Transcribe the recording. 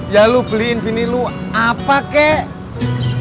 ya lu beliin bini lu apa kek